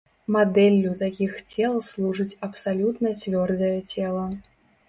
Мадэллю такіх цел служыць абсалютна цвёрдае цела.